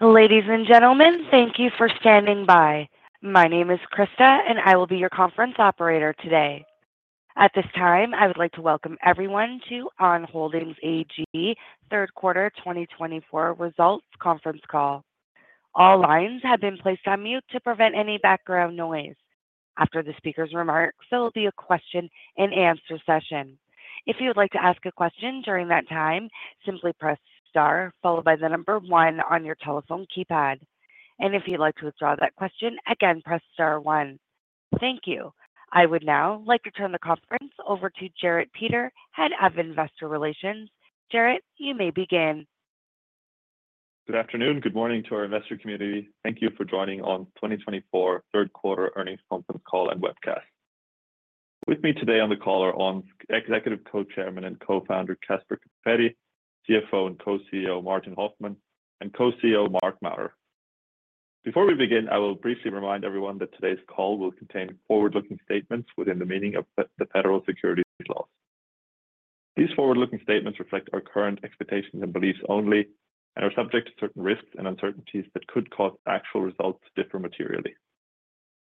Ladies and gentlemen, thank you for standing by. My name is Christa, and I will be your conference operator today. At this time, I would like to welcome everyone to On Holding AG third quarter 2024 results conference call. All lines have been placed on mute to prevent any background noise. After the speaker's remarks, there will be a question-and-answer session. If you would like to ask a question during that time, simply press star, followed by the number one on your telephone keypad. And if you'd like to withdraw that question, again, press star one. Thank you. I would now like to turn the conference over to Jarrad Peter, Head of Investor Relations. Jarrad, you may begin. Good afternoon and good morning to our investor community. Thank you for joining On 2024 third quarter earnings conference call and webcast. With me today on the call are Executive Co-Chairman and Co-Founder Caspar Coppetti, CFO and Co-CEO Martin Hoffmann, and Co-CEO Marc Maurer. Before we begin, I will briefly remind everyone that today's call will contain forward-looking statements within the meaning of the Federal Securities Laws. These forward-looking statements reflect our current expectations and beliefs only and are subject to certain risks and uncertainties that could cause actual results to differ materially.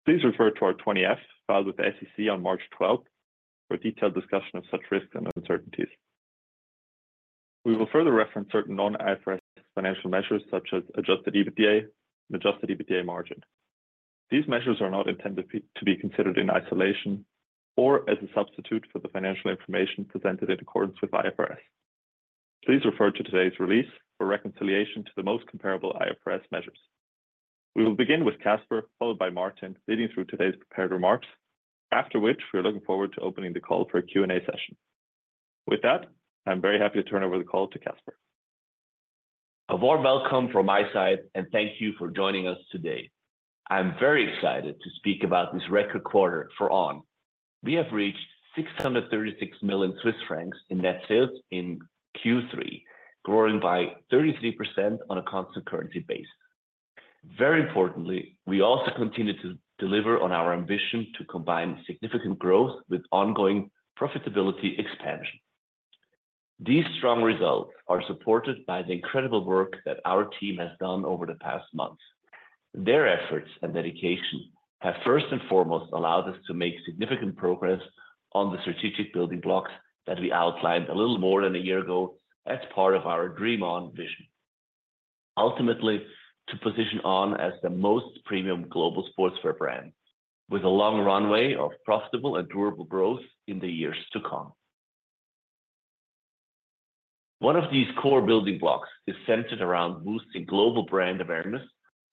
Please refer to our 20-F filed with the SEC on March 12th for a detailed discussion of such risks and uncertainties. We will further reference certain non-IFRS financial measures such as adjusted EBITDA and adjusted EBITDA margin. These measures are not intended to be considered in isolation or as a substitute for the financial information presented in accordance with IFRS. Please refer to today's release for reconciliation to the most comparable IFRS measures. We will begin with Caspar, followed by Martin, leading through today's prepared remarks, after which we are looking forward to opening the call for a Q&A session. With that, I'm very happy to turn over the call to Caspar. A warm welcome from my side, and thank you for joining us today. I'm very excited to speak about this record quarter for On. We have reached 636 million Swiss francs in net sales in Q3, growing by 33% on a constant currency base. Very importantly, we also continue to deliver on our ambition to combine significant growth with ongoing profitability expansion. These strong results are supported by the incredible work that our team has done over the past months. Their efforts and dedication have first and foremost allowed us to make significant progress on the strategic building blocks that we outlined a little more than a year ago as part of our Dream On vision. Ultimately, to position On as the most premium global sportswear brand with a long runway of profitable and durable growth in the years to come. One of these core building blocks is centered around boosting global brand awareness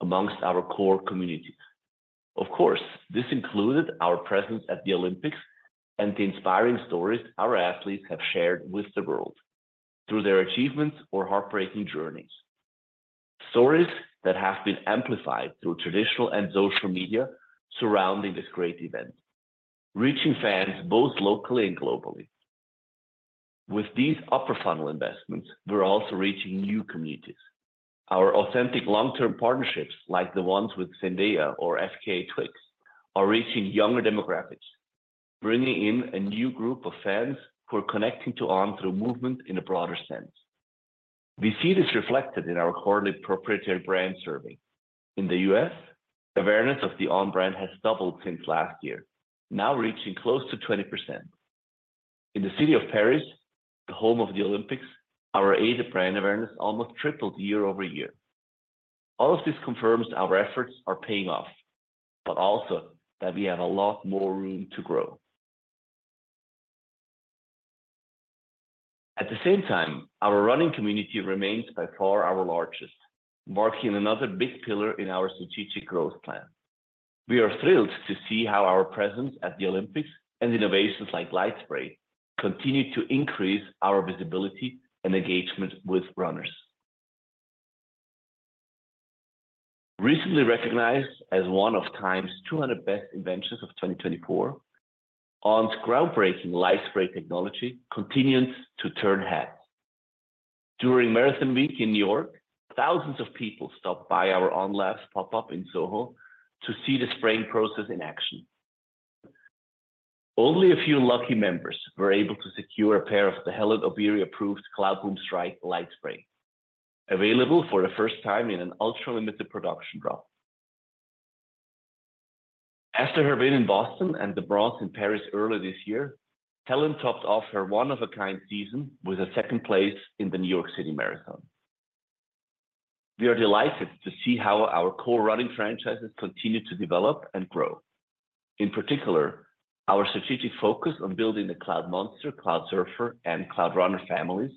among our core communities. Of course, this included our presence at the Olympics and the inspiring stories our athletes have shared with the world through their achievements or heartbreaking journeys. Stories that have been amplified through traditional and social media surrounding this great event, reaching fans both locally and globally. With these upper-funnel investments, we're also reaching new communities. Our authentic long-term partnerships, like the ones with Zendaya or FKA twigs, are reaching younger demographics, bringing in a new group of fans who are connecting to On through movement in a broader sense. We see this reflected in our correlated proprietary brand survey. In the U.S., awareness of the On brand has doubled since last year, now reaching close to 20%. In the city of Paris, the home of the Olympics, our rate of brand awareness almost tripled year over year. All of this confirms our efforts are paying off, but also that we have a lot more room to grow. At the same time, our running community remains by far our largest, marking another big pillar in our strategic growth plan. We are thrilled to see how our presence at the Olympics and innovations like LightSpray continue to increase our visibility and engagement with runners. Recently recognized as one of Time's 200 Best Inventions of 2024, On's groundbreaking LightSpray technology continues to turn heads. During Marathon Week in New York, thousands of people stopped by our On Labs pop-up in SoHo to see the spraying process in action. Only a few lucky members were able to secure a pair of the Hellen Obiri-approved Cloudboom Strike LightSpray, available for the first time in an ultra-limited production drop. After her win in Boston and the bronze in Paris earlier this year, Hellen topped off her one-of-a-kind season with a second place in the New York City Marathon. We are delighted to see how our core running franchises continue to develop and grow. In particular, our strategic focus on building the Cloudmonster, Cloudsurfer, and Cloudrunner families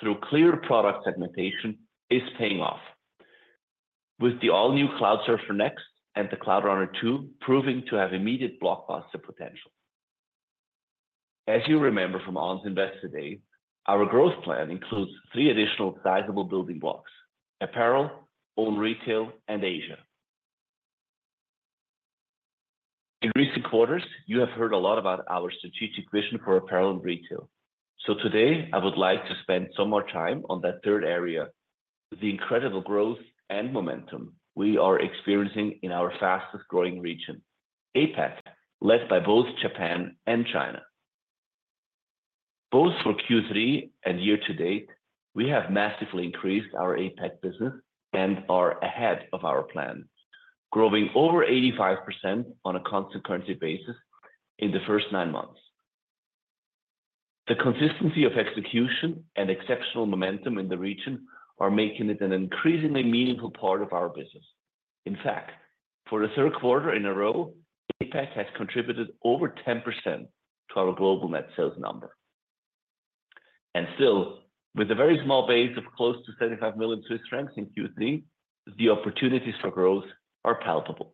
through clear product segmentation is paying off, with the all-new Cloudsurfer Next and the Cloudrunner 2 proving to have immediate blockbuster potential. As you remember from On's Investor Day, our growth plan includes three additional sizable building blocks: apparel, own retail, and Asia. In recent quarters, you have heard a lot about our strategic vision for apparel and retail, so today, I would like to spend some more time on that third area, the incredible growth and momentum we are experiencing in our fastest-growing region, APAC, led by both Japan and China. Both for Q3 and year to date, we have massively increased our APAC business and are ahead of our plan, growing over 85% on a constant currency basis in the first nine months. The consistency of execution and exceptional momentum in the region are making it an increasingly meaningful part of our business. In fact, for the third quarter in a row, APAC has contributed over 10% to our global net sales number, and still, with a very small base of close to 75 million Swiss francs in Q3, the opportunities for growth are palpable.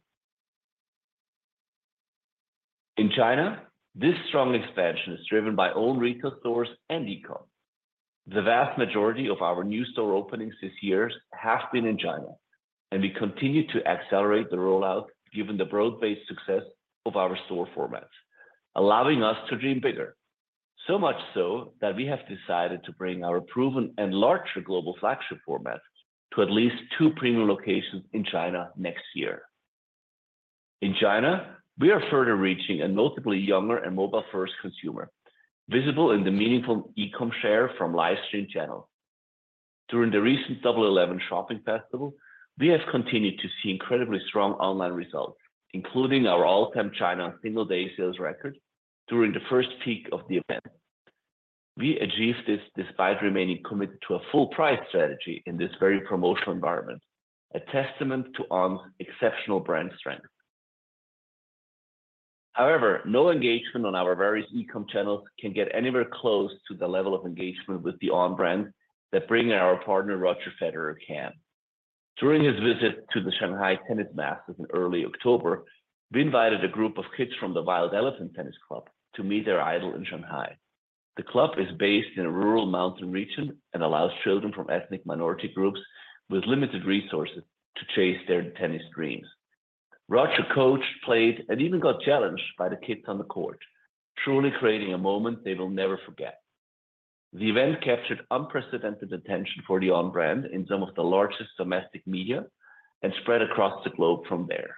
In China, this strong expansion is driven by own retail stores and e-com. The vast majority of our new store openings this year have been in China, and we continue to accelerate the rollout given the broad-based success of our store formats, allowing us to dream bigger. So much so that we have decided to bring our proven and larger global flagship formats to at least two premium locations in China next year. In China, we are further reaching a notably younger and mobile-first consumer, visible in the meaningful e-com share from livestream channel. During the recent Double Eleven Shopping Festival, we have continued to see incredibly strong online results, including our all-time China single-day sales record during the first peak of the event. We achieved this despite remaining committed to a full-price strategy in this very promotional environment, a testament to On's exceptional brand strength. However, no engagement on our various e-com channels can get anywhere close to the level of engagement with the On brand that our partner Roger Federer brings. During his visit to the Shanghai Tennis Masters in early October, we invited a group of kids from the Wild Elephant Tennis Club to meet their idol in Shanghai. The club is based in a rural mountain region and allows children from ethnic minority groups with limited resources to chase their tennis dreams. Roger coached, played, and even got challenged by the kids on the court, truly creating a moment they will never forget. The event captured unprecedented attention for the On brand in some of the largest domestic media and spread across the globe from there.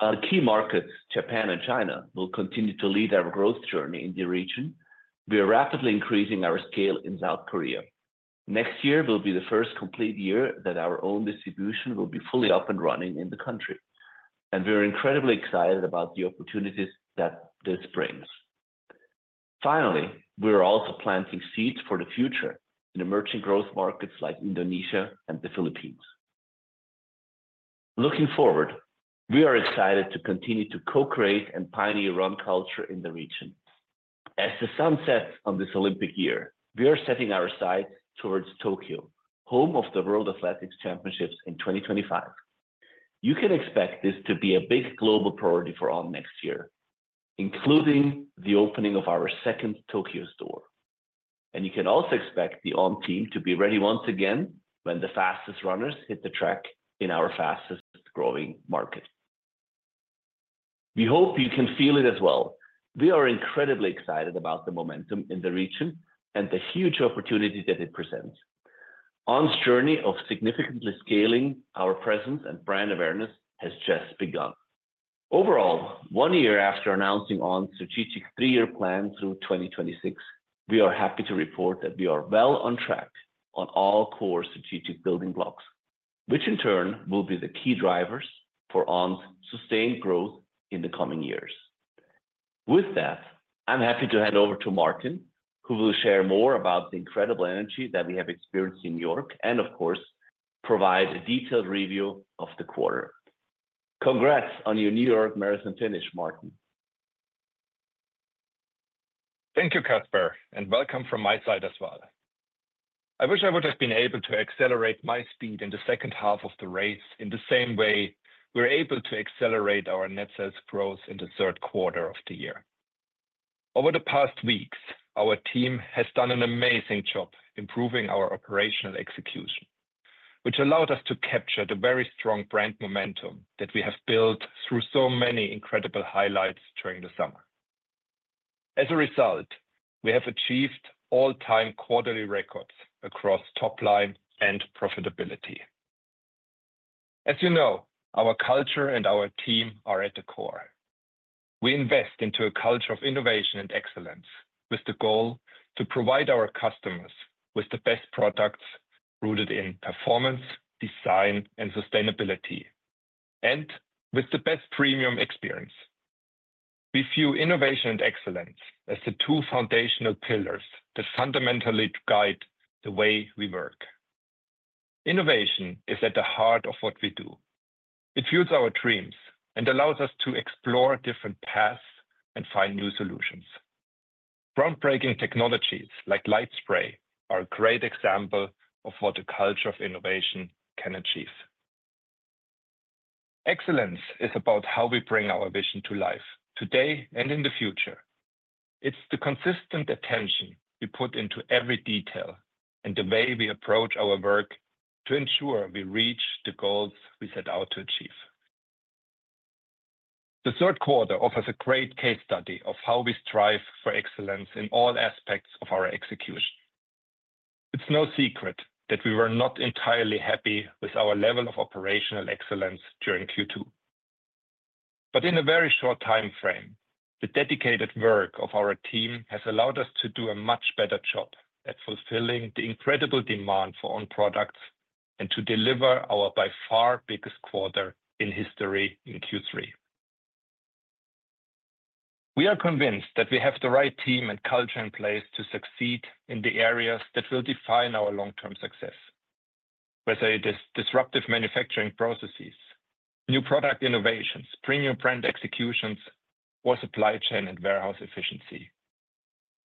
Our key markets, Japan and China, will continue to lead our growth journey in the region. We are rapidly increasing our scale in South Korea. Next year will be the first complete year that our own distribution will be fully up and running in the country, and we are incredibly excited about the opportunities that this brings. Finally, we are also planting seeds for the future in emerging growth markets like Indonesia and the Philippines. Looking forward, we are excited to continue to co-create and pioneer Run Culture in the region. As the sun sets on this Olympic year, we are setting our sights towards Tokyo, home of the World Athletics Championships in 2025. You can expect this to be a big global priority for On next year, including the opening of our second Tokyo store, and you can also expect the On team to be ready once again when the fastest runners hit the track in our fastest-growing market. We hope you can feel it as well. We are incredibly excited about the momentum in the region and the huge opportunity that it presents. On's journey of significantly scaling our presence and brand awareness has just begun. Overall, one year after announcing On's strategic three-year plan through 2026, we are happy to report that we are well on track on all core strategic building blocks, which in turn will be the key drivers for On's sustained growth in the coming years. With that, I'm happy to hand over to Martin, who will share more about the incredible energy that we have experienced in New York and, of course, provide a detailed review of the quarter. Congrats on your New York Marathon finish, Martin. Thank you, Caspar, and welcome from my side as well. I wish I would have been able to accelerate my speed in the second half of the race in the same way we're able to accelerate our net sales growth in the third quarter of the year. Over the past weeks, our team has done an amazing job improving our operational execution, which allowed us to capture the very strong brand momentum that we have built through so many incredible highlights during the summer. As a result, we have achieved all-time quarterly records across top line and profitability. As you know, our culture and our team are at the core. We invest into a culture of innovation and excellence with the goal to provide our customers with the best products rooted in performance, design, and sustainability, and with the best premium experience. We view innovation and excellence as the two foundational pillars that fundamentally guide the way we work. Innovation is at the heart of what we do. It fuels our dreams and allows us to explore different paths and find new solutions. Groundbreaking technologies like LightSpray are a great example of what a culture of innovation can achieve. Excellence is about how we bring our vision to life today and in the future. It's the consistent attention we put into every detail and the way we approach our work to ensure we reach the goals we set out to achieve. The third quarter offers a great case study of how we strive for excellence in all aspects of our execution. It's no secret that we were not entirely happy with our level of operational excellence during Q2. But in a very short time frame, the dedicated work of our team has allowed us to do a much better job at fulfilling the incredible demand for On products and to deliver our by far biggest quarter in history in Q3. We are convinced that we have the right team and culture in place to succeed in the areas that will define our long-term success, whether it is disruptive manufacturing processes, new product innovations, premium brand executions, or supply chain and warehouse efficiency.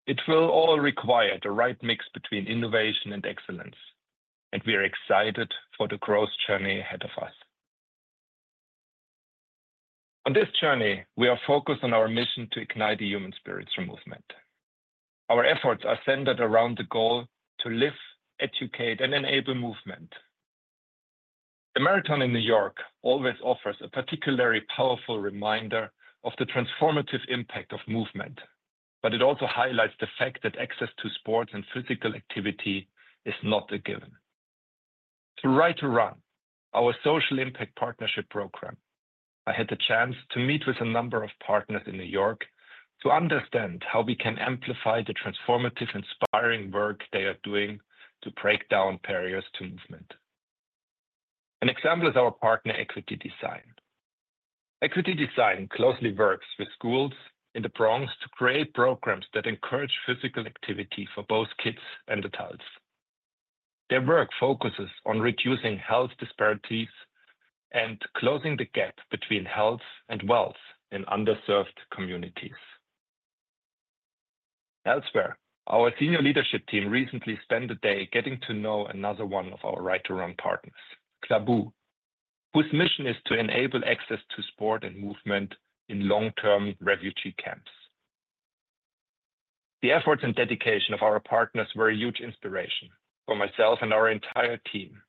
It will all require the right mix between innovation and excellence, and we are excited for the growth journey ahead of us. On this journey, we are focused on our mission to ignite the human spirits for movement. Our efforts are centered around the goal to live, educate, and enable movement. The marathon in New York always offers a particularly powerful reminder of the transformative impact of movement, but it also highlights the fact that access to sports and physical activity is not a given. Through Right to Run, our social impact partnership program, I had the chance to meet with a number of partners in New York to understand how we can amplify the transformative, inspiring work they are doing to break down barriers to movement. An example is our partner, Equity Design. Equity Design closely works with schools in the Bronx to create programs that encourage physical activity for both kids and adults. Their work focuses on reducing health disparities and closing the gap between health and wealth in underserved communities. Elsewhere, our senior leadership team recently spent a day getting to know another one of our Right to Run partners, KLABU, whose mission is to enable access to sport and movement in long-term refugee camps. The efforts and dedication of our partners were a huge inspiration for myself and our entire team.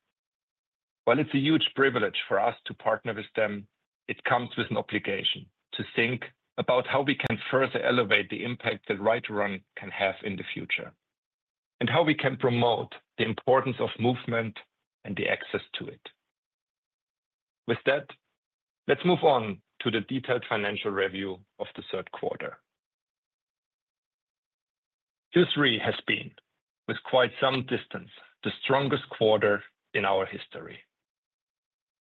While it's a huge privilege for us to partner with them, it comes with an obligation to think about how we can further elevate the impact that Right to Run can have in the future and how we can promote the importance of movement and the access to it. With that, let's move on to the detailed financial review of the third quarter. Q3 has been, with quite some distance, the strongest quarter in our history.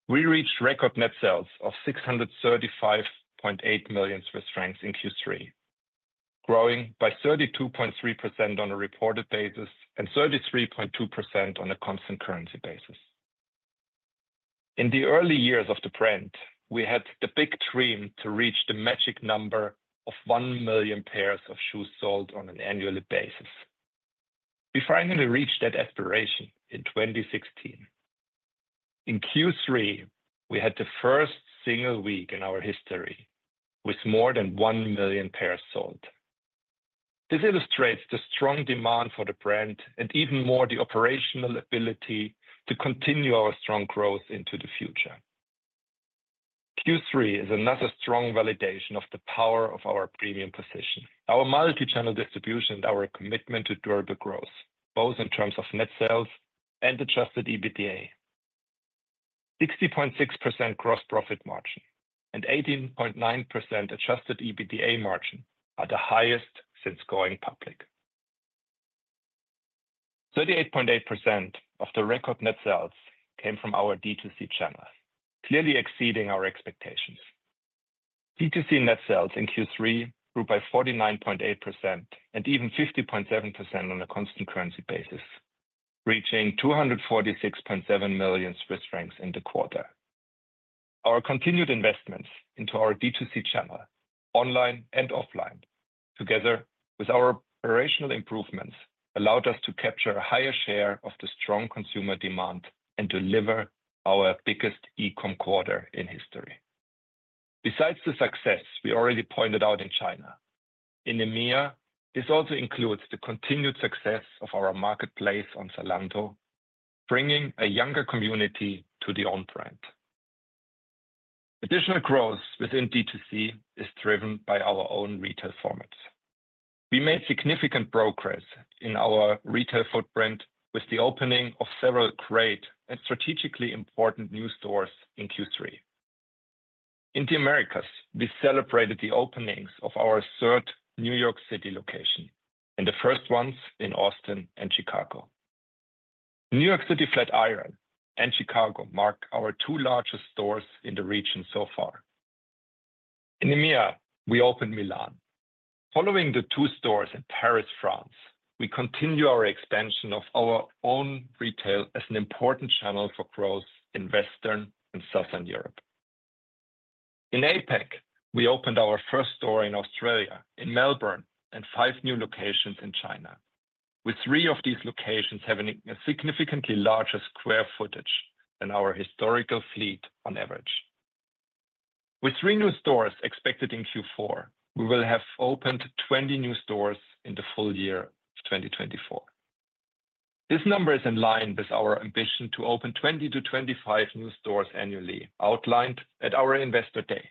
We reached record net sales of 635.8 million Swiss francs in Q3, growing by 32.3% on a reported basis and 33.2% on a constant currency basis. In the early years of the brand, we had the big dream to reach the magic number of one million pairs of shoes sold on an annual basis. We finally reached that aspiration in 2016. In Q3, we had the first single week in our history with more than one million pairs sold. This illustrates the strong demand for the brand and even more the operational ability to continue our strong growth into the future. Q3 is another strong validation of the power of our premium position, our multi-channel distribution, and our commitment to durable growth, both in terms of net sales and adjusted EBITDA. 60.6% gross profit margin and 18.9% adjusted EBITDA margin are the highest since going public. 38.8% of the record net sales came from our D2C channel, clearly exceeding our expectations. D2C net sales in Q3 grew by 49.8% and even 50.7% on a constant currency basis, reaching 246.7 million Swiss francs in the quarter. Our continued investments into our D2C channel, online and offline, together with our operational improvements, allowed us to capture a higher share of the strong consumer demand and deliver our biggest e-com quarter in history. Besides the success we already pointed out in China, in EMEA, this also includes the continued success of our marketplace on Zalando, bringing a younger community to the On brand. Additional growth within D2C is driven by our own retail formats. We made significant progress in our retail footprint with the opening of several great and strategically important new stores in Q3. In the Americas, we celebrated the openings of our third New York City location and the first ones in Austin and Chicago. New York City Flatiron and Chicago mark our two largest stores in the region so far. In EMEA, we opened Milan. Following the two stores in Paris, France, we continue our expansion of our own retail as an important channel for growth in Western and Southern Europe. In APAC, we opened our first store in Australia, in Melbourne, and five new locations in China, with three of these locations having a significantly larger square footage than our historical fleet on average. With three new stores expected in Q4, we will have opened 20 new stores in the full year of 2024. This number is in line with our ambition to open 20-25 new stores annually outlined at our Investor Day.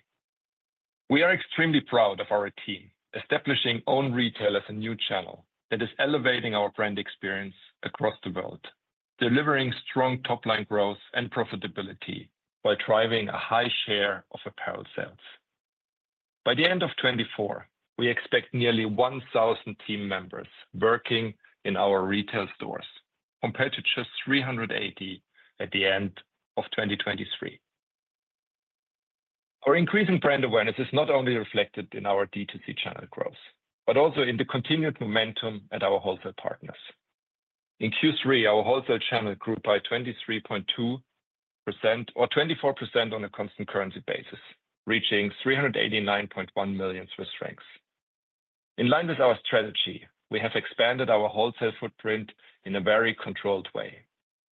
We are extremely proud of our team, establishing own retail as a new channel that is elevating our brand experience across the world, delivering strong top line growth and profitability while driving a high share of apparel sales. By the end of 2024, we expect nearly 1,000 team members working in our retail stores compared to just 380 at the end of 2023. Our increasing brand awareness is not only reflected in our D2C channel growth, but also in the continued momentum at our wholesale partners. In Q3, our wholesale channel grew by 23.2% or 24% on a constant currency basis, reaching 389.1 million Swiss francs. In line with our strategy, we have expanded our wholesale footprint in a very controlled way.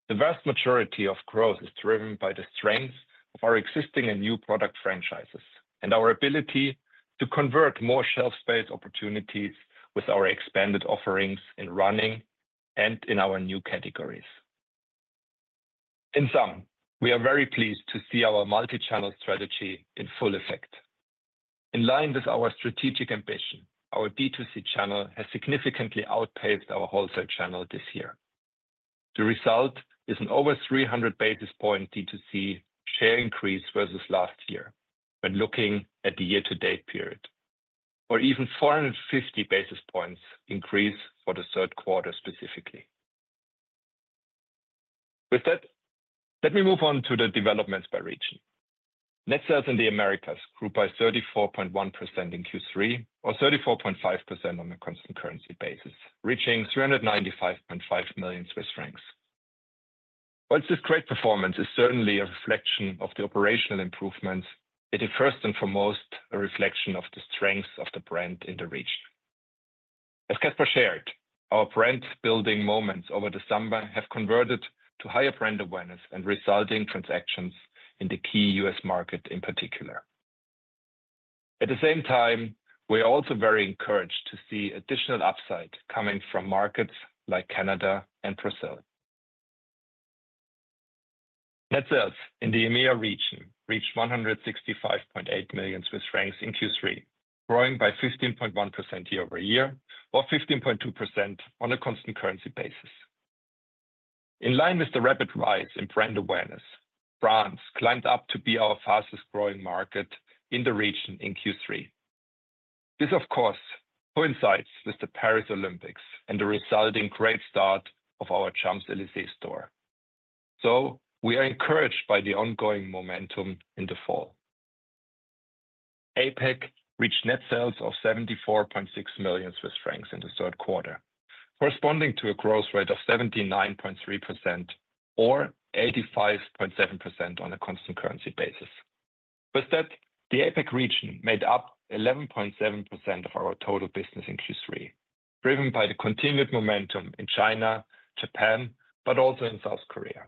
The vast majority of growth is driven by the strength of our existing and new product franchises and our ability to convert more shelf space opportunities with our expanded offerings in running and in our new categories. In sum, we are very pleased to see our multi-channel strategy in full effect. In line with our strategic ambition, our D2C channel has significantly outpaced our wholesale channel this year. The result is an over 300 basis point D2C share increase versus last year when looking at the year-to-date period, or even 450 basis points increase for the third quarter specifically. With that, let me move on to the developments by region. Net sales in the Americas grew by 34.1% in Q3 or 34.5% on a constant currency basis, reaching 395.5 million Swiss francs. While this great performance is certainly a reflection of the operational improvements, it is first and foremost a reflection of the strength of the brand in the region. As Caspar shared, our brand-building moments over the summer have converted to higher brand awareness and resulting transactions in the key US market in particular. At the same time, we are also very encouraged to see additional upside coming from markets like Canada and Brazil. Net sales in the EMEA region reached 165.8 million Swiss francs in Q3, growing by 15.1% year over year or 15.2% on a constant currency basis. In line with the rapid rise in brand awareness, France climbed up to be our fastest growing market in the region in Q3. This, of course, coincides with the Paris Olympics and the resulting great start of our Champs-Élysées store. So we are encouraged by the ongoing momentum in the fall. APAC reached net sales of 74.6 million Swiss francs in the third quarter, corresponding to a growth rate of 79.3% or 85.7% on a constant currency basis. With that, the APAC region made up 11.7% of our total business in Q3, driven by the continued momentum in China, Japan, but also in South Korea.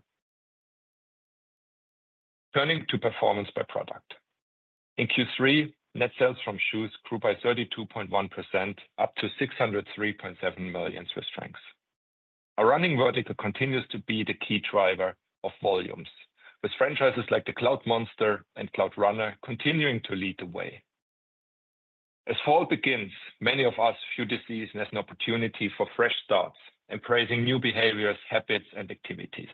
Turning to performance by product, in Q3, net sales from shoes grew by 32.1% up to 603.7 million Swiss francs. Our running vertical continues to be the key driver of volumes, with franchises like the Cloudmonster and Cloudrunner continuing to lead the way. As fall begins, many of us view this as an opportunity for fresh starts embracing new behaviors, habits, and activities.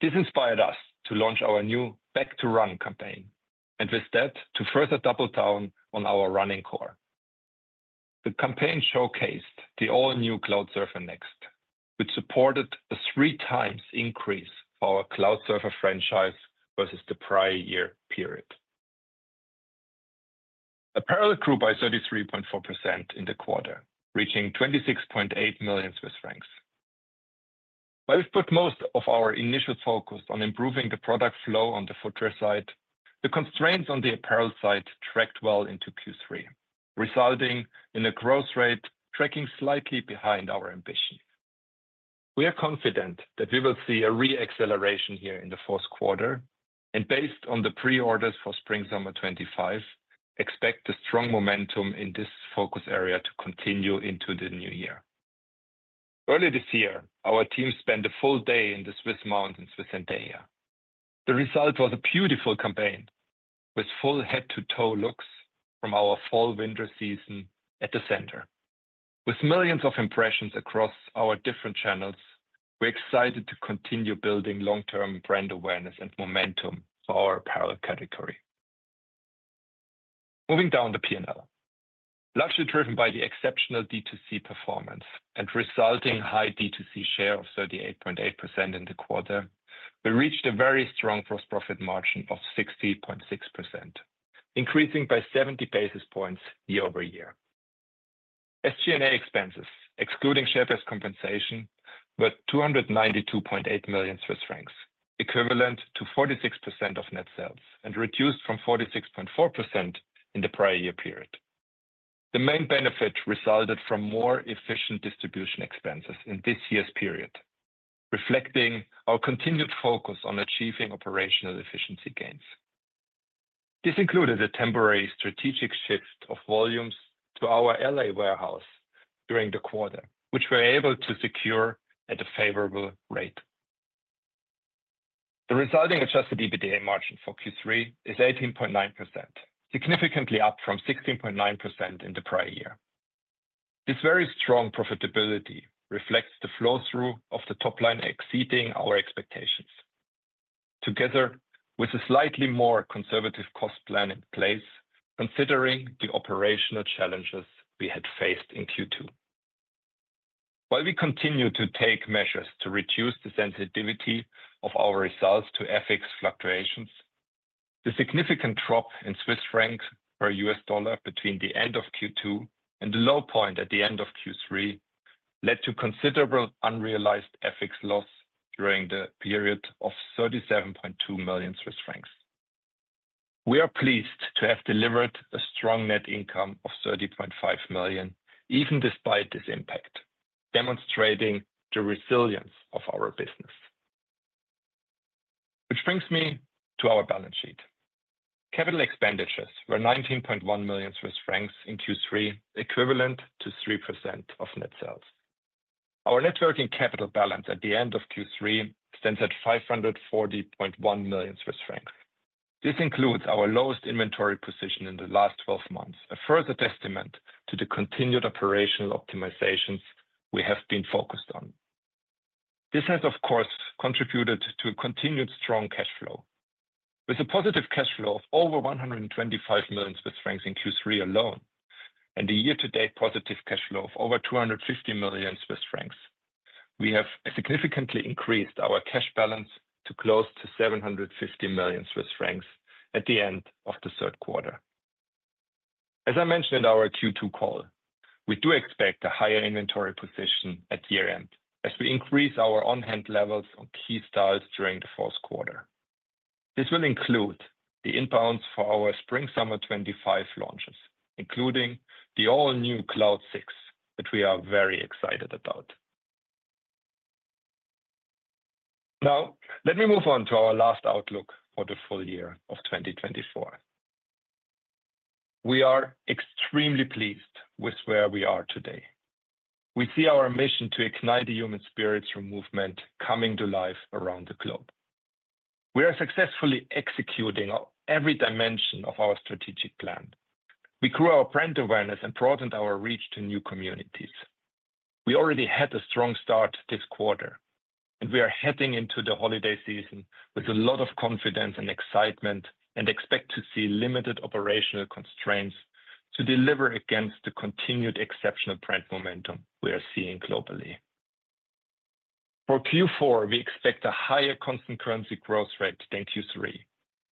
This inspired us to launch our new Back to Run campaign and with that to further double down on our running core. The campaign showcased the all-new Cloudsurfer Next, which supported a three times increase for our Cloudsurfer franchise versus the prior year period. Apparel grew by 33.4% in the quarter, reaching 26.8 million Swiss francs. While we've put most of our initial focus on improving the product flow on the footwear side, the constraints on the apparel side tracked well into Q3, resulting in a growth rate tracking slightly behind our ambition. We are confident that we will see a re-acceleration here in the fourth quarter, and based on the pre-orders for Spring/Summer 2025, expect the strong momentum in this focus area to continue into the new year. Earlier this year, our team spent a full day in the Swiss mountains with Zendaya. The result was a beautiful campaign with full head-to-toe looks from our Fall/Winter season at the center. With millions of impressions across our different channels, we're excited to continue building long-term brand awareness and momentum for our apparel category. Moving down the P&L, largely driven by the exceptional D2C performance and resulting high D2C share of 38.8% in the quarter, we reached a very strong gross profit margin of 60.6%, increasing by 70 basis points year over year. SG&A expenses, excluding share price compensation, were 292.8 million Swiss francs, equivalent to 46% of net sales and reduced from 46.4% in the prior year period. The main benefit resulted from more efficient distribution expenses in this year's period, reflecting our continued focus on achieving operational efficiency gains. This included a temporary strategic shift of volumes to our LA warehouse during the quarter, which we were able to secure at a favorable rate. The resulting adjusted EBITDA margin for Q3 is 18.9%, significantly up from 16.9% in the prior year. This very strong profitability reflects the flow-through of the top line exceeding our expectations, together with a slightly more conservative cost plan in place, considering the operational challenges we had faced in Q2. While we continue to take measures to reduce the sensitivity of our results to FX fluctuations, the significant drop in CHF per $ between the end of Q2 and the low point at the end of Q3 led to considerable unrealized FX loss during the period of 37.2 million Swiss francs. We are pleased to have delivered a strong net income of 30.5 million CHF, even despite this impact, demonstrating the resilience of our business. Which brings me to our balance sheet. Capital expenditures were 19.1 million Swiss francs in Q3, equivalent to 3% of net sales. Our net working capital balance at the end of Q3 stands at 540.1 million Swiss francs. This includes our lowest inventory position in the last 12 months, a further testament to the continued operational optimizations we have been focused on. This has, of course, contributed to a continued strong cash flow. With a positive cash flow of over 125 million Swiss francs in Q3 alone and a year-to-date positive cash flow of over 250 million Swiss francs, we have significantly increased our cash balance to close to 750 million Swiss francs at the end of the third quarter. As I mentioned in our Q2 call, we do expect a higher inventory position at year-end as we increase our on-hand levels on key styles during the fourth quarter. This will include the inbounds for our Spring/Summer 2025 launches, including the all-new Cloud 6 that we are very excited about. Now, let me move on to our last outlook for the full year of 2024. We are extremely pleased with where we are today. We see our mission to ignite the human spirits through movement coming to life around the globe. We are successfully executing every dimension of our strategic plan. We grew our brand awareness and broadened our reach to new communities. We already had a strong start this quarter, and we are heading into the holiday season with a lot of confidence and excitement and expect to see limited operational constraints to deliver against the continued exceptional brand momentum we are seeing globally. For Q4, we expect a higher constant currency growth rate than Q3,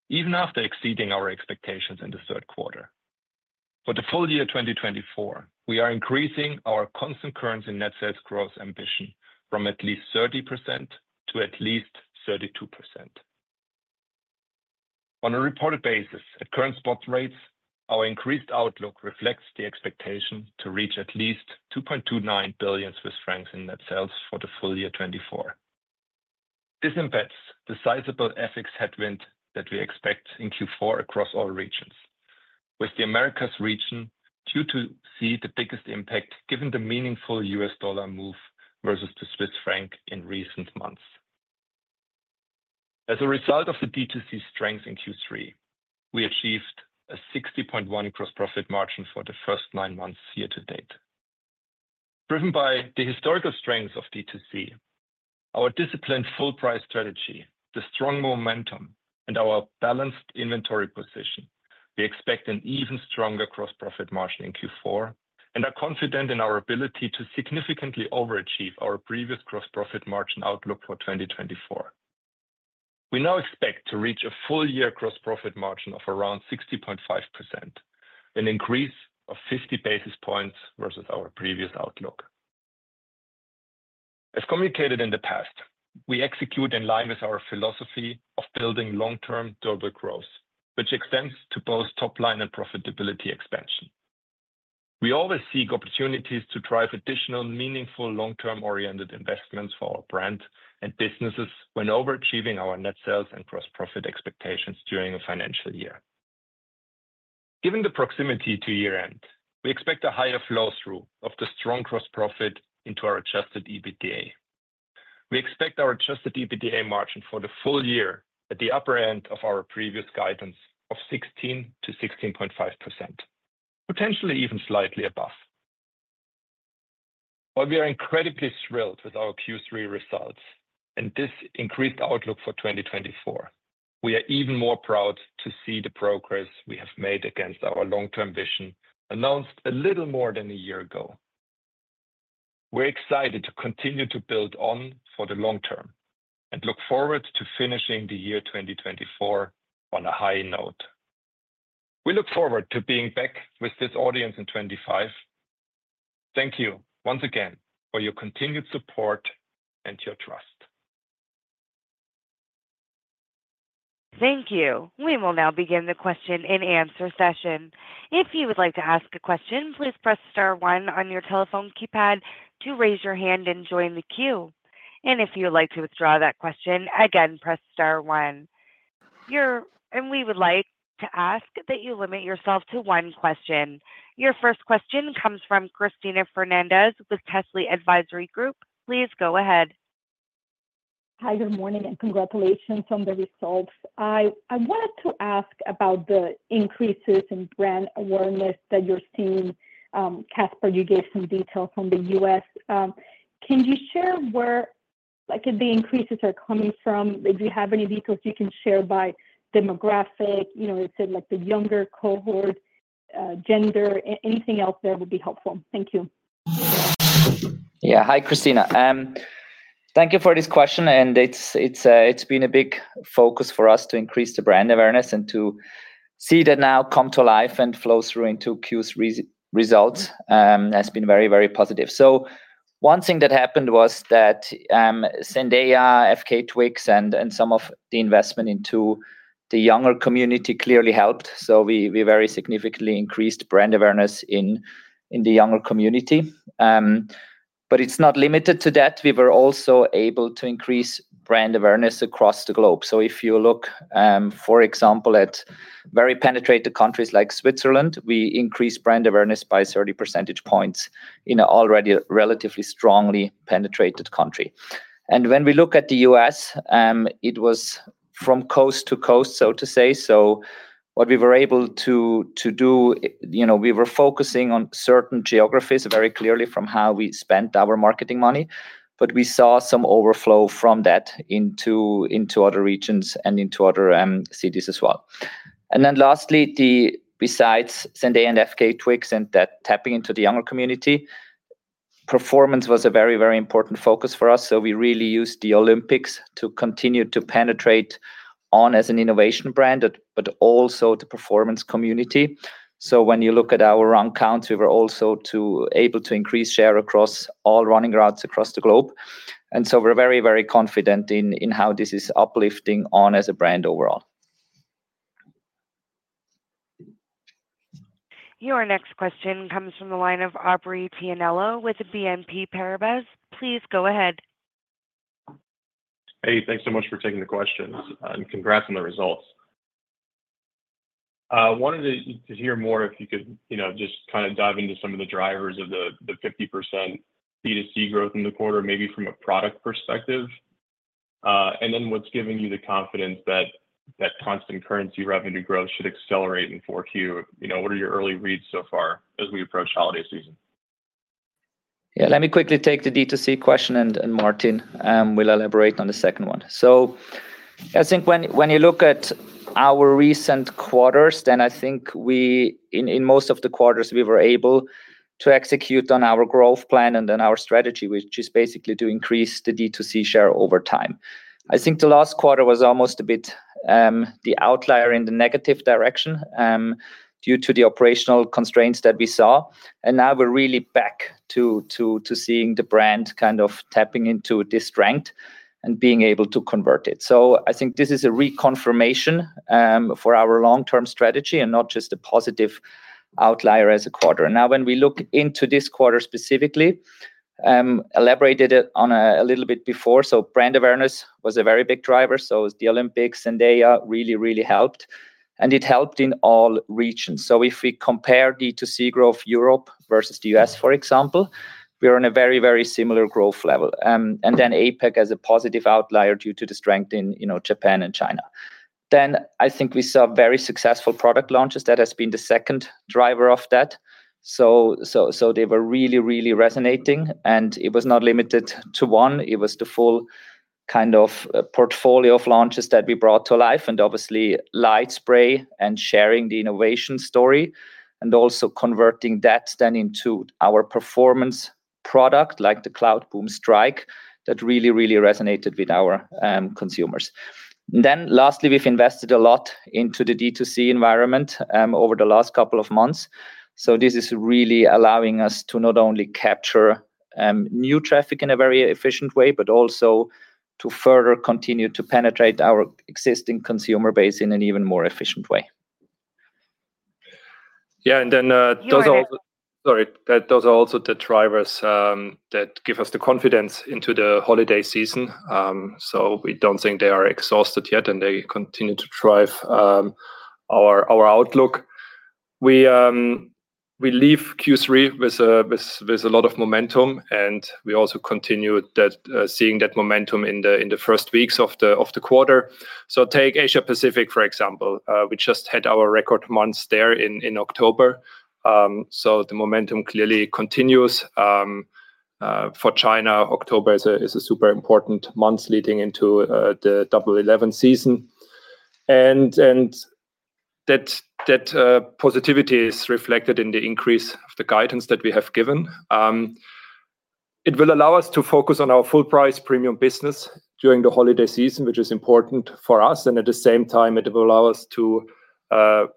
even after exceeding our expectations in the third quarter. For the full year 2024, we are increasing our constant currency net sales growth ambition from at least 30% to at least 32%. On a reported basis, at current spot rates, our increased outlook reflects the expectation to reach at least 2.29 billion Swiss francs in net sales for the full year 2024. This embeds the sizable FX headwind that we expect in Q4 across all regions, with the Americas region due to see the biggest impact given the meaningful US dollar move versus the Swiss franc in recent months. As a result of the D2C strength in Q3, we achieved a 60.1% gross profit margin for the first nine months year-to-date. Driven by the historical strength of D2C, our disciplined full-price strategy, the strong momentum, and our balanced inventory position, we expect an even stronger gross profit margin in Q4 and are confident in our ability to significantly overachieve our previous gross profit margin outlook for 2024. We now expect to reach a full year gross profit margin of around 60.5%, an increase of 50 basis points versus our previous outlook. As communicated in the past, we execute in line with our philosophy of building long-term durable growth, which extends to both top line and profitability expansion. We always seek opportunities to drive additional meaningful long-term oriented investments for our brand and businesses when overachieving our net sales and gross profit expectations during a financial year. Given the proximity to year-end, we expect a higher flow-through of the strong gross profit into our adjusted EBITDA. We expect our adjusted EBITDA margin for the full year at the upper end of our previous guidance of 16%-16.5%, potentially even slightly above. While we are incredibly thrilled with our Q3 results and this increased outlook for 2024, we are even more proud to see the progress we have made against our long-term vision announced a little more than a year ago. We're excited to continue to build on for the long term and look forward to finishing the year 2024 on a high note. We look forward to being back with this audience in 2025. Thank you once again for your continued support and your trust. Thank you. We will now begin the question and answer session. If you would like to ask a question, please press star one on your telephone keypad to raise your hand and join the queue. And if you would like to withdraw that question, again, press star one. And we would like to ask that you limit yourself to one question. Your first question comes from Cristina Fernandez with Telsey Advisory Group. Please go ahead. Hi, good morning and congratulations on the results. I wanted to ask about the increases in brand awareness that you're seeing. Caspar, you gave some details on the U.S. Can you share where the increases are coming from? If you have any details you can share by demographic, you know, like the younger cohort, gender, anything else there would be helpful. Thank you. Yeah. Hi, Christina. Thank you for this question. And it's been a big focus for us to increase the brand awareness and to see that now come to life and flow through into Q3 results has been very, very positive. So one thing that happened was that Zendaya, FKA twigs, and some of the investment into the younger community clearly helped. So we very significantly increased brand awareness in the younger community. But it's not limited to that. We were also able to increase brand awareness across the globe. So if you look, for example, at very penetrated countries like Switzerland, we increased brand awareness by 30 percentage points in an already relatively strongly penetrated country. And when we look at the U.S., it was from coast to coast, so to say. So what we were able to do, you know, we were focusing on certain geographies very clearly from how we spent our marketing money, but we saw some overflow from that into other regions and into other cities as well. And then lastly, besides Zendaya and FKA twigs and that tapping into the younger community, performance was a very, very important focus for us. So we really used the Olympics to continue to penetrate On as an innovation brand, but also the performance community. So when you look at our run counts, we were also able to increase share across all running routes across the globe. And so we're very, very confident in how this is uplifting On as a brand overall. Your next question comes from the line of Aubrey Tianello with BNP Paribas. Please go ahead. Hey, thanks so much for taking the questions and congrats on the results. I wanted to hear more if you could just kind of dive into some of the drivers of the 50% D2C growth in the quarter, maybe from a product perspective. And then what's giving you the confidence that that constant currency revenue growth should accelerate in Q4? What are your early reads so far as we approach holiday season? Yeah, let me quickly take the D2C question and Martin will elaborate on the second one. So I think when you look at our recent quarters, then I think in most of the quarters, we were able to execute on our growth plan and then our strategy, which is basically to increase the D2C share over time. I think the last quarter was almost a bit the outlier in the negative direction due to the operational constraints that we saw. And now we're really back to seeing the brand kind of tapping into this strength and being able to convert it. So I think this is a reconfirmation for our long-term strategy and not just a positive outlier as a quarter. Now, when we look into this quarter specifically, I elaborated on a little bit before. So brand awareness was a very big driver. So the Olympics, Zendaya really, really helped. And it helped in all regions. If we compare D2C growth Europe versus the US, for example, we are on a very, very similar growth level. And then APAC as a positive outlier due to the strength in Japan and China. Then I think we saw very successful product launches. That has been the second driver of that. So they were really, really resonating. And it was not limited to one. It was the full kind of portfolio of launches that we brought to life and obviously LightSpray and sharing the innovation story and also converting that then into our performance product like the Cloudboom Strike that really, really resonated with our consumers. And then lastly, we've invested a lot into the D2C environment over the last couple of months. This is really allowing us to not only capture new traffic in a very efficient way, but also to further continue to penetrate our existing consumer base in an even more efficient way. Yeah, and then those are also, sorry, those are also the drivers that give us the confidence into the holiday season. So we don't think they are exhausted yet and they continue to drive our outlook. We leave Q3 with a lot of momentum and we also continue seeing that momentum in the first weeks of the quarter. So take Asia Pacific, for example. We just had our record months there in October. So the momentum clearly continues for China. October is a super important month leading into the Double 11 season. And that positivity is reflected in the increase of the guidance that we have given. It will allow us to focus on our full-price premium business during the holiday season, which is important for us. At the same time, it will allow us to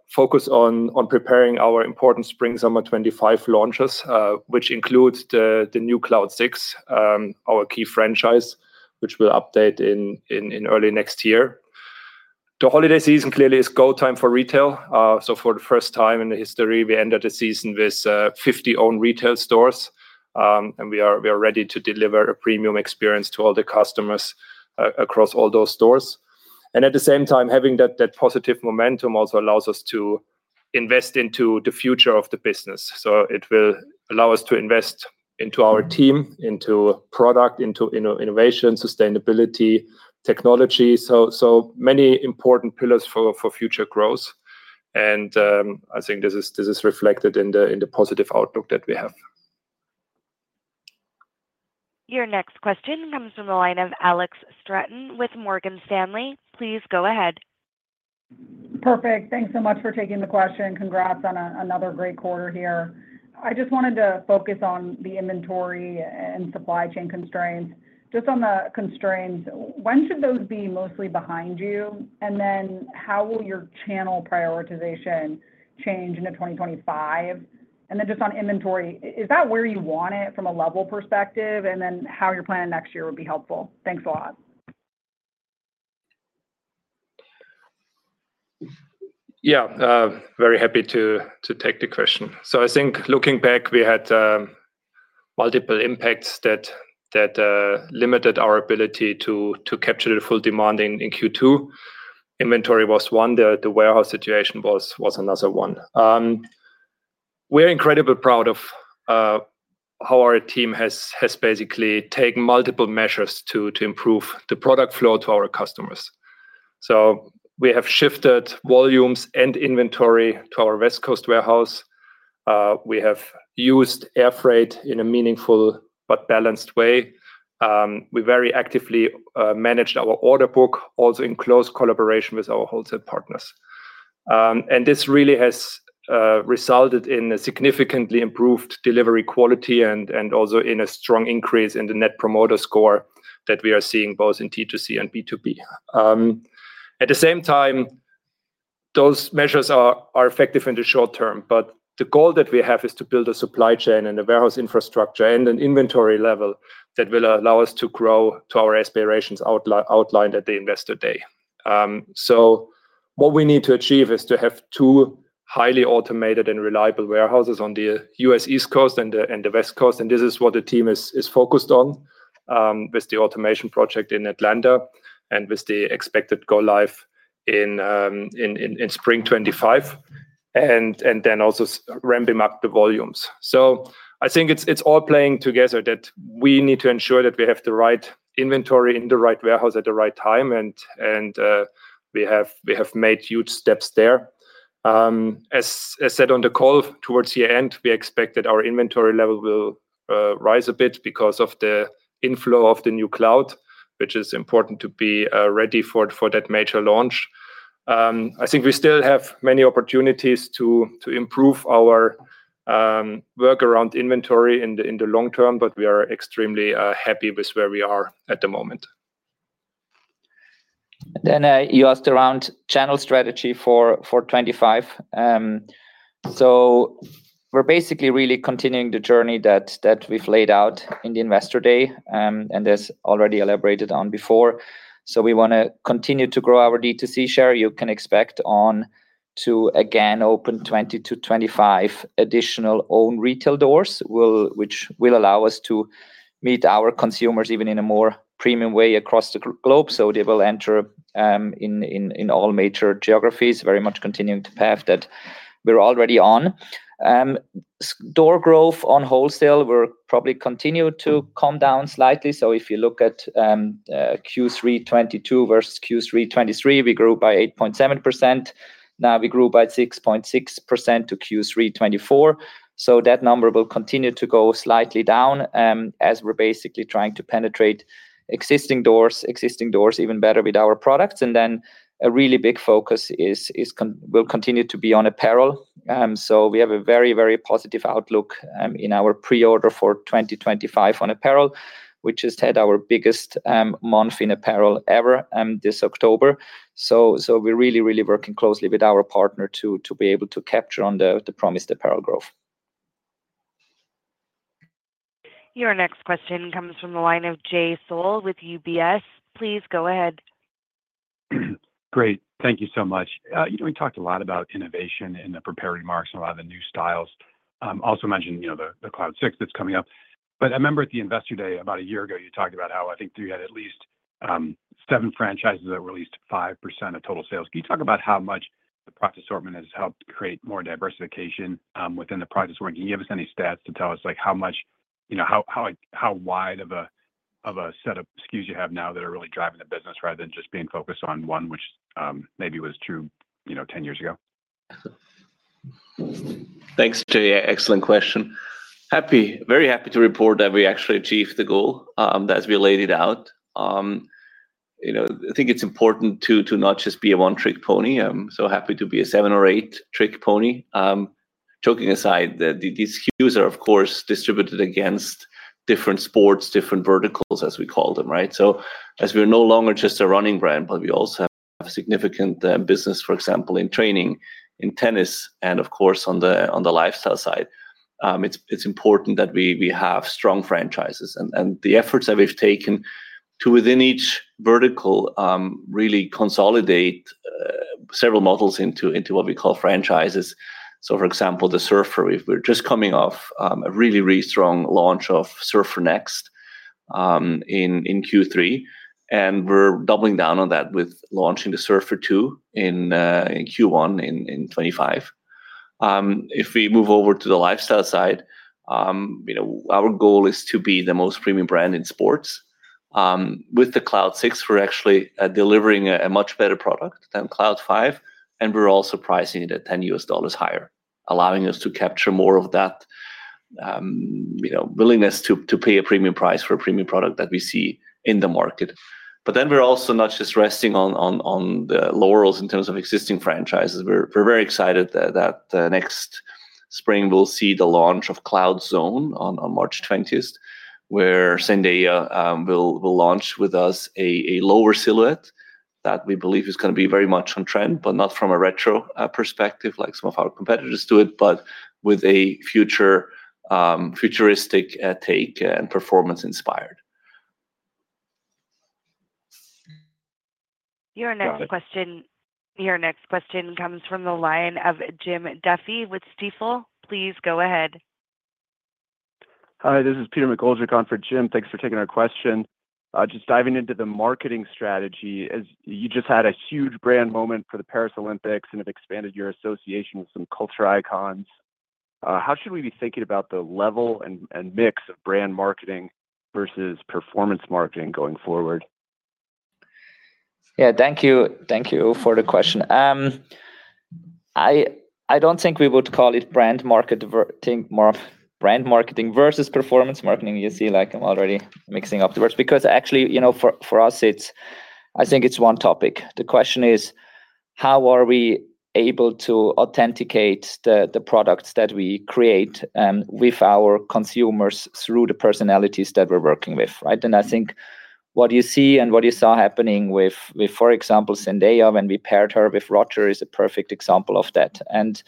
focus on preparing our important spring summer '25 launches, which include the new Cloud 6, our key franchise, which will update in early next year. The holiday season clearly is go time for retail. For the first time in the history, we ended the season with 50 own retail stores. We are ready to deliver a premium experience to all the customers across all those stores. At the same time, having that positive momentum also allows us to invest into the future of the business. It will allow us to invest into our team, into product, into innovation, sustainability, technology. So many important pillars for future growth. I think this is reflected in the positive outlook that we have. Your next question comes from the line of Alex Straton with Morgan Stanley. Please go ahead. Perfect. Thanks so much for taking the question. Congrats on another great quarter here. I just wanted to focus on the inventory and supply chain constraints. Just on the constraints, when should those be mostly behind you? And then how will your channel prioritization change in 2025? And then just on inventory, is that where you want it from a level perspective? And then how you're planning next year would be helpful. Thanks a lot. Yeah, very happy to take the question. So I think looking back, we had multiple impacts that limited our ability to capture the full demand in Q2. Inventory was one. The warehouse situation was another one. We're incredibly proud of how our team has basically taken multiple measures to improve the product flow to our customers. So we have shifted volumes and inventory to our West Coast warehouse. We have used air freight in a meaningful but balanced way. We very actively managed our order book, also in close collaboration with our wholesale partners. And this really has resulted in a significantly improved delivery quality and also in a strong increase in the net promoter score that we are seeing both in D2C and B2B. At the same time, those measures are effective in the short term, but the goal that we have is to build a supply chain and a warehouse infrastructure and an inventory level that will allow us to grow to our aspirations outlined at the investor day. What we need to achieve is to have two highly automated and reliable warehouses on the U.S. East Coast and the West Coast. This is what the team is focused on with the automation project in Atlanta and with the expected go-live in spring 2025. Then also ramping up the volumes. I think it's all playing together that we need to ensure that we have the right inventory in the right warehouse at the right time. We have made huge steps there. As said on the call towards the end, we expect that our inventory level will rise a bit because of the inflow of the new cloud, which is important to be ready for that major launch. I think we still have many opportunities to improve our work around inventory in the long term, but we are extremely happy with where we are at the moment. Then you asked around channel strategy for 2025. So we're basically really continuing the journey that we've laid out in the investor day and as already elaborated on before. So we want to continue to grow our D2C share. You can expect On to again open 20-25 additional own retail doors, which will allow us to meet our consumers even in a more premium way across the globe. So they will enter in all major geographies, very much continuing to path that we're already on. Door growth on wholesale will probably continue to come down slightly. So if you look at Q3 2022 versus Q3 2023, we grew by 8.7%. Now we grew by 6.6% to Q3 2024. So that number will continue to go slightly down as we're basically trying to penetrate existing doors, existing doors even better with our products. And then a really big focus will continue to be on apparel. So we have a very, very positive outlook in our pre-order for 2025 on apparel, which has had our biggest month in apparel ever this October. So we're really, really working closely with our partner to be able to capture on the promised apparel growth. Your next question comes from the line of Jay Sole with UBS. Please go ahead. Great. Thank you so much. We talked a lot about innovation and the prepared remarks and a lot of the new styles. Also mentioned the Cloudsix that's coming up. But I remember at the investor day about a year ago, you talked about how I think you had at least seven franchises that released 5% of total sales. Can you talk about how much the product assortment has helped create more diversification within the product assortment? Can you give us any stats to tell us how wide of a set of SKUs you have now that are really driving the business rather than just being focused on one, which maybe was true 10 years ago? Thanks, Jay. Excellent question. Very happy to report that we actually achieved the goal that's been laid out. I think it's important to not just be a one trick pony. I'm so happy to be a seven or eight trick pony. Joking aside, these SKUs are, of course, distributed against different sports, different verticals, as we call them, right? As we're no longer just a running brand, but we also have significant business, for example, in training, in tennis, and of course, on the lifestyle side. It's important that we have strong franchises. The efforts that we've taken to within each vertical really consolidate several models into what we call franchises. For example, the Cloudsurfer, we're just coming off a really, really strong launch of Cloudsurfer Next in Q3. We're doubling down on that with launching the Cloudsurfer 2 in Q1 in 2025. If we move over to the lifestyle side, our goal is to be the most premium brand in sports. With the Cloud 6, we're actually delivering a much better product than Cloud 5, and we're also pricing it at $10 higher, allowing us to capture more of that willingness to pay a premium price for a premium product that we see in the market. But then we're also not just resting on the laurels in terms of existing franchises. We're very excited that next spring we'll see the launch of Cloud Zone on March 20th, where Zendaya will launch with us a lower silhouette that we believe is going to be very much on trend, but not from a retro perspective like some of our competitors do it, but with a futuristic take and performance inspired. Your next question comes from the line of Jim Duffy with Stifel. Please go ahead. Hi, this is Peter McGoldrick covering Jim. Thanks for taking our question. Just diving into the marketing strategy, you just had a huge brand moment for the Paris Olympics and have expanded your association with some culture icons. How should we be thinking about the level and mix of brand marketing versus performance marketing going forward? Yeah, thank you for the question. I don't think we would call it brand marketing versus performance marketing. You see, I'm already mixing up the words because actually for us, I think it's one topic. The question is, how are we able to authenticate the products that we create with our consumers through the personalities that we're working with, right? And I think what you see and what you saw happening with, for example, Zendaya when we paired her with Roger is a perfect example of that. And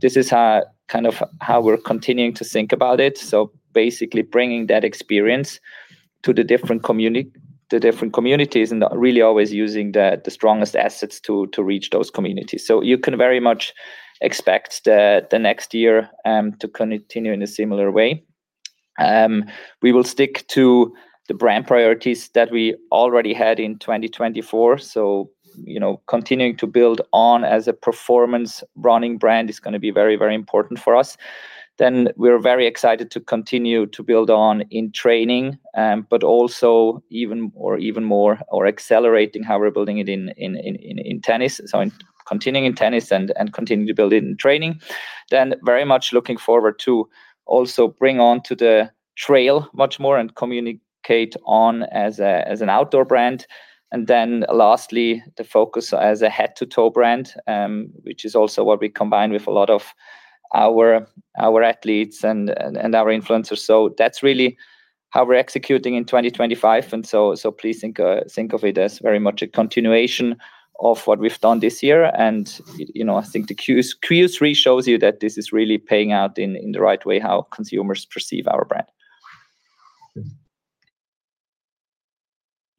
this is kind of how we're continuing to think about it. So basically bringing that experience to the different communities and really always using the strongest assets to reach those communities. So you can very much expect the next year to continue in a similar way. We will stick to the brand priorities that we already had in 2024. Continuing to build On as a performance running brand is going to be very, very important for us. We're very excited to continue to build On in training, but also even more accelerating how we're building it in tennis. Continuing in tennis and continue to build it in training. Very much looking forward to also bring On to the trail much more and communicate On as an outdoor brand. Lastly, the focus as a head-to-toe brand, which is also what we combine with a lot of our athletes and our influencers. That's really how we're executing in 2025. Please think of it as very much a continuation of what we've done this year. I think the Q3 shows you that this is really paying out in the right way how consumers perceive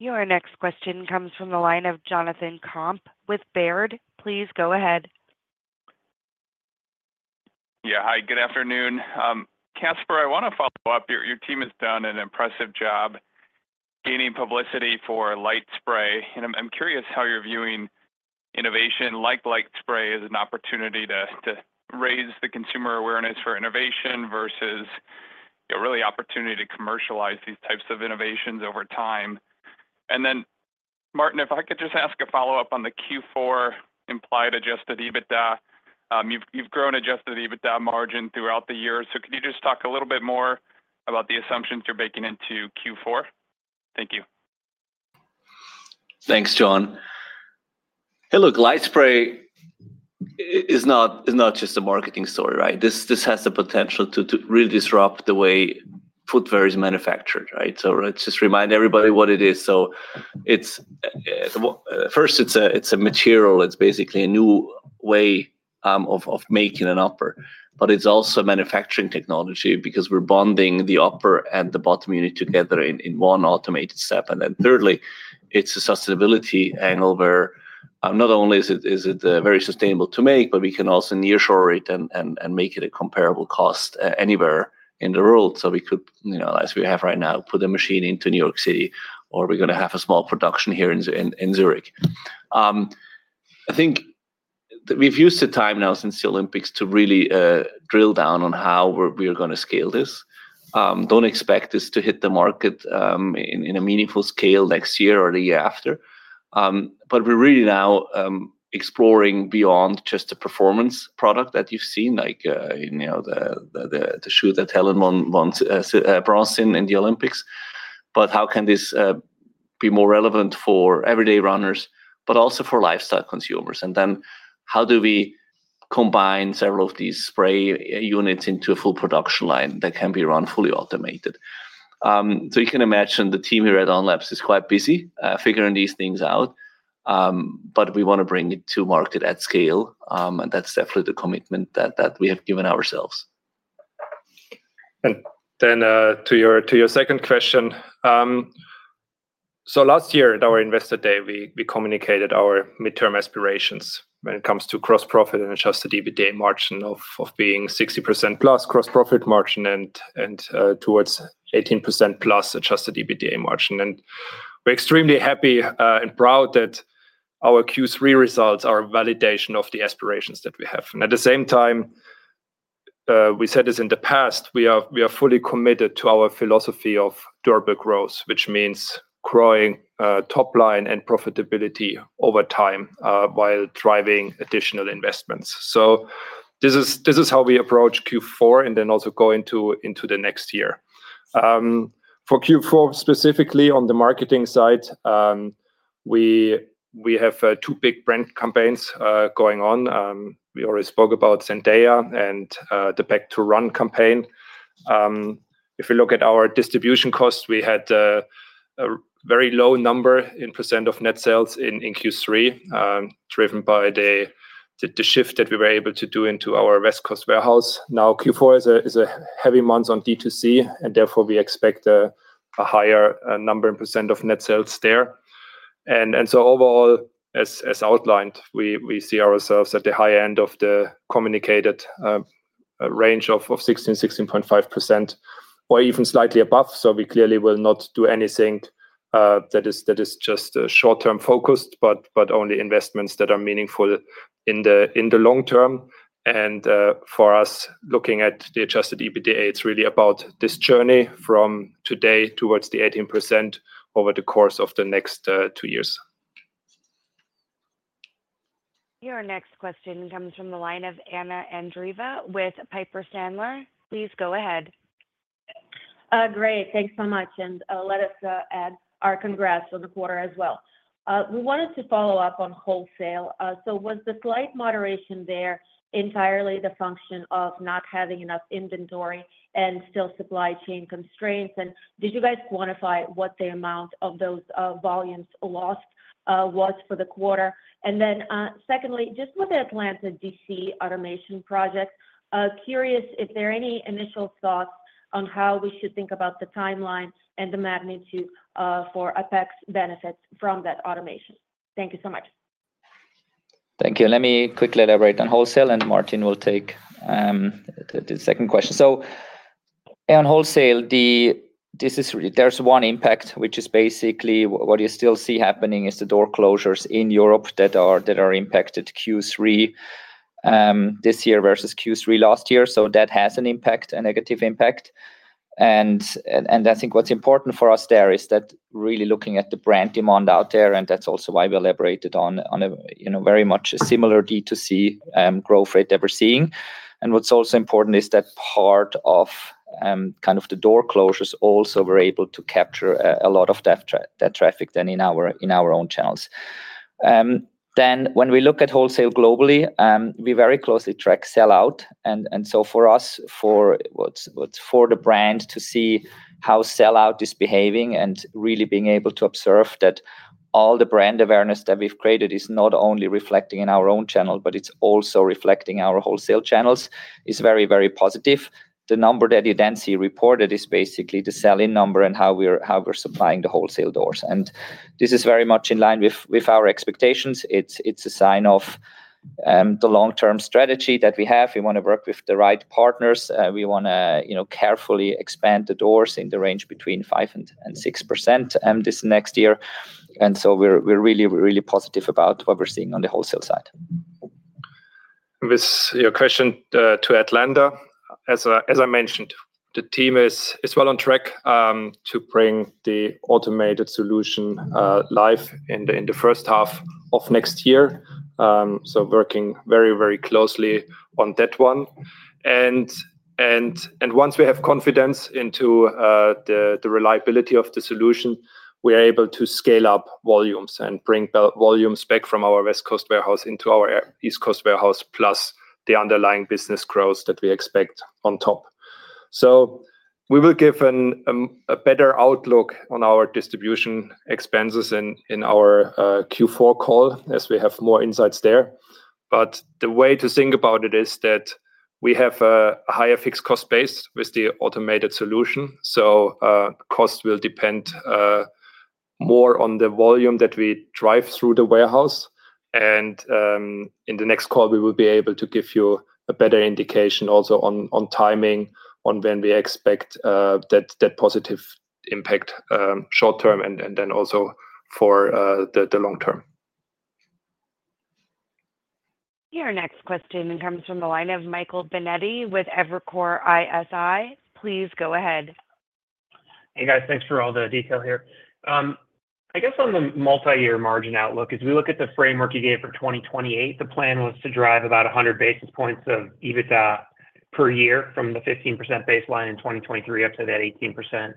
our brand. Your next question comes from the line of Jonathan Komp with Baird. Please go ahead. Yeah, hi, good afternoon. Caspar, I want to follow up. Your team has done an impressive job gaining publicity for LightSpray. And I'm curious how you're viewing innovation like LightSpray as an opportunity to raise the consumer awareness for innovation versus really opportunity to commercialize these types of innovations over time. And then, Martin, if I could just ask a follow-up on the Q4 implied Adjusted EBITDA. You've grown Adjusted EBITDA margin throughout the year. So can you just talk a little bit more about the assumptions you're baking into Q4? Thank you. Thanks, Jonathan. Hey, look, LightSpray is not just a marketing story, right? This has the potential to really disrupt the way footwear is manufactured, right? So let's just remind everybody what it is. So first, it's a material. It's basically a new way of making an upper. But it's also a manufacturing technology because we're bonding the upper and the bottom unit together in one automated step. And then thirdly, it's a sustainability angle where not only is it very sustainable to make, but we can also nearshore it and make it a comparable cost anywhere in the world. So we could, as we have right now, put a machine into New York City, or we're going to have a small production here in Zurich. I think we've used the time now since the Olympics to really drill down on how we're going to scale this. Don't expect this to hit the market in a meaningful scale next year or the year after. But we're really now exploring beyond just a performance product that you've seen, like the shoe that Hellen won bronze in the Olympics. How can this be more relevant for everyday runners, but also for lifestyle consumers? How do we combine several of these spray units into a full production line that can be run fully automated? You can imagine the team here at On Labs is quite busy figuring these things out. We want to bring it to market at scale. That's definitely the commitment that we have given ourselves. To your second question, last year at our Investor Day, we communicated our mid-term aspirations when it comes to gross profit and adjusted EBITDA margin of being 60%+ gross profit margin and towards 18% plus adjusted EBITDA margin. We're extremely happy and proud that our Q3 results are a validation of the aspirations that we have. At the same time, we said this in the past, we are fully committed to our philosophy of durable growth, which means growing top line and profitability over time while driving additional investments. This is how we approach Q4 and then also go into the next year. For Q4 specifically on the marketing side, we have two big brand campaigns going on. We already spoke about Zendaya and the Back to Run campaign. If we look at our distribution costs, we had a very low number in % of net sales in Q3, driven by the shift that we were able to do into our West Coast warehouse. Now Q4 is a heavy month on D2C, and therefore we expect a higher number in % of net sales there. And so overall, as outlined, we see ourselves at the high end of the communicated range of 16%-16.5% or even slightly above. So we clearly will not do anything that is just short-term focused, but only investments that are meaningful in the long term. And for us, looking at the Adjusted EBITDA, it's really about this journey from today towards the 18% over the course of the next two years. Your next question comes from the line of Anna Andreeva with Piper Sandler. Please go ahead. Great. Thanks so much. And let us add our congrats on the quarter as well. We wanted to follow up on wholesale. So was the slight moderation there entirely the function of not having enough inventory and still supply chain constraints? And did you guys quantify what the amount of those volumes lost was for the quarter? And then secondly, just with the Atlanta DC automation project, curious if there are any initial thoughts on how we should think about the timeline and the magnitude for opex benefits from that automation. Thank you so much. Thank you. Let me quickly elaborate on wholesale, and Martin will take the second question. On wholesale, there's one impact, which is basically what you still see happening is the door closures in Europe that are impacted Q3 this year versus Q3 last year. That has an impact, a negative impact. I think what's important for us there is that really looking at the brand demand out there, and that's also why we elaborated on a very much similar D2C growth rate that we're seeing. What's also important is that part of kind of the door closures also were able to capture a lot of that traffic then in our own channels. When we look at wholesale globally, we very closely track sellout. So for us, for the brand to see how sellout is behaving and really being able to observe that all the brand awareness that we've created is not only reflecting in our own channel, but it's also reflecting our wholesale channels is very, very positive. The number that you then see reported is basically the sell-in number and how we're supplying the wholesale doors. This is very much in line with our expectations. It's a sign of the long-term strategy that we have. We want to work with the right partners. We want to carefully expand the doors in the range between 5% and 6% this next year. We're really, really positive about what we're seeing on the wholesale side. With your question to Atlanta, as I mentioned, the team is well on track to bring the automated solution live in the first half of next year. Working very, very closely on that one. Once we have confidence into the reliability of the solution, we are able to scale up volumes and bring volumes back from our West Coast warehouse into our East Coast warehouse plus the underlying business growth that we expect on top. We will give a better outlook on our distribution expenses in our Q4 call as we have more insights there. The way to think about it is that we have a higher fixed cost base with the automated solution. Cost will depend more on the volume that we drive through the warehouse. In the next call, we will be able to give you a better indication also on timing on when we expect that positive impact short term and then also for the long term. Your next question comes from the line of Michael Binetti with Evercore ISI. Please go ahead. Hey, guys. Thanks for all the detail here. I guess on the multi-year margin outlook, as we look at the framework you gave for 2028, the plan was to drive about 100 basis points of EBITDA per year from the 15% baseline in 2023 up to that 18%.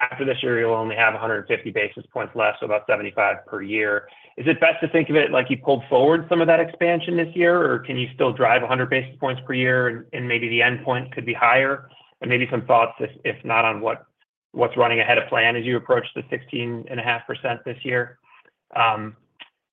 After this year, you'll only have 150 basis points left, so about 75 per year. Is it best to think of it like you pulled forward some of that expansion this year, or can you still drive 100 basis points per year? Maybe the end point could be higher. Maybe some thoughts, if not on what's running ahead of plan as you approach the 16.5% this year.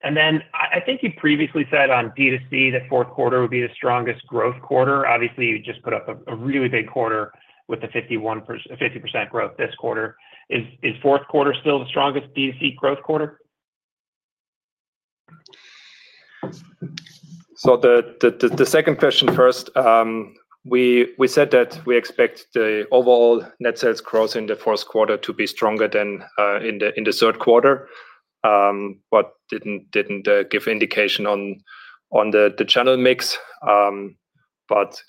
And then I think you previously said on D2C that fourth quarter would be the strongest growth quarter. Obviously, you just put up a really big quarter with the 50% growth this quarter. Is fourth quarter still the strongest D2C growth quarter? So the second question first, we said that we expect the overall net sales growth in the fourth quarter to be stronger than in the third quarter, but didn't give indication on the channel mix. But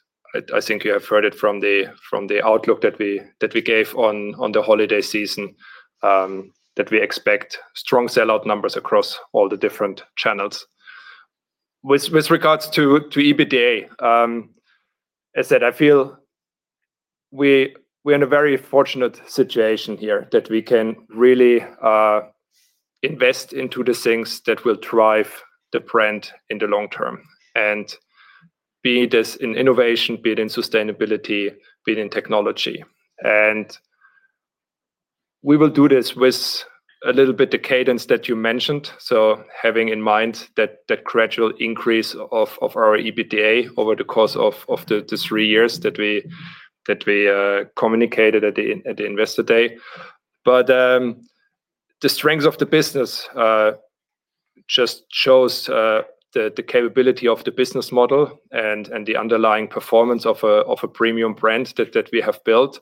I think you have heard it from the outlook that we gave on the holiday season that we expect strong sellout numbers across all the different channels. With regards to EBITDA, as I said, I feel we're in a very fortunate situation here that we can really invest into the things that will drive the brand in the long term, and be it in innovation, be it in sustainability, be it in technology, and we will do this with a little bit of cadence that you mentioned, so having in mind that gradual increase of our EBITDA over the course of the three years that we communicated at the investor day, but the strength of the business just shows the capability of the business model and the underlying performance of a premium brand that we have built,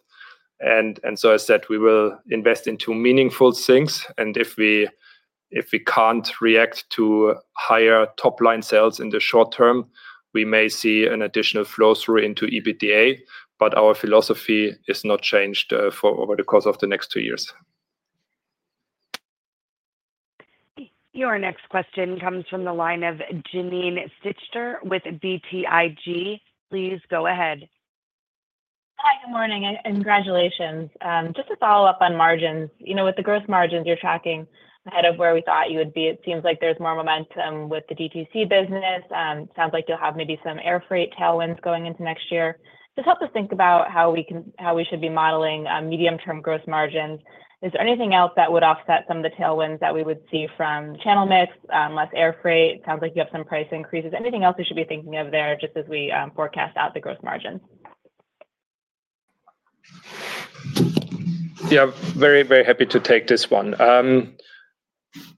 and so I said we will invest into meaningful things. If we can't react to higher top line sales in the short term, we may see an additional flow through into EBITDA, but our philosophy is not changed over the course of the next two years. Your next question comes from the line of Janine Stichter with BTIG. Please go ahead. Hi, good morning. And congratulations. Just to follow up on margins, with the gross margins you're tracking ahead of where we thought you would be, it seems like there's more momentum with the D2C business. It sounds like you'll have maybe some air freight tailwinds going into next year. Just help us think about how we should be modeling medium-term gross margins. Is there anything else that would offset some of the tailwinds that we would see from channel mix, less air freight? It sounds like you have some price increases. Anything else we should be thinking of there just as we forecast out the gross margins? Yeah, very, very happy to take this one.